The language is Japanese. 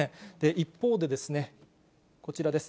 一方で、こちらです。